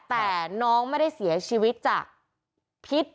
แต่น้องไม่ได้เสียชีวิตจากพิษ